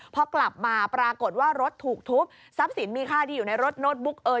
พอกลับมาปรากฏว่ารถถูกทุบทรัพย์สินมีค่าที่อยู่ในรถโน้ตบุ๊กเอ่ย